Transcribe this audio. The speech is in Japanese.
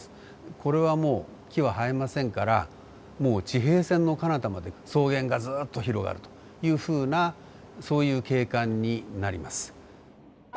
これはもう木は生えませんからもう地平線のかなたまで草原がずっと広がるというふうなそういう景観になります。